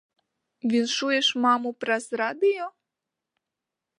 Віншуеш маму праз радыё?